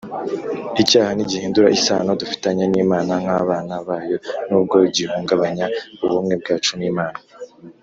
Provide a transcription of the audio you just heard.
Icyaha ntigihindura isano dufitanye n'Imana nk'abana bayo n'ubwo gihungabanya ubumwe bwacu n'Imana,